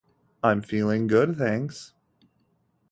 I'm feeling good, thanks.